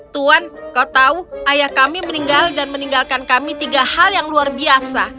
tuan kau tahu ayah kami meninggal dan meninggalkan kami tiga hal yang luar biasa